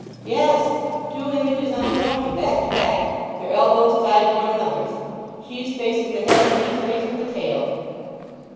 "Yes. Two images on a donkey, back to back, their elbows tied to one another's! She's facing the head, and he's facing the tail."